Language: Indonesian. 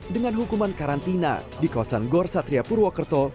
dengan hukuman karantina di kawasan gor satria purwokerto